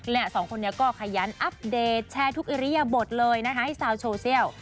และสองคนนี้ก็ขยันอัปเดตแชร์ทุกอิริยบทเลยนะคะให้ชาวโซเชียล